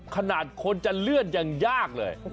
ขนาดคนจะเลื่อนยังยากเลย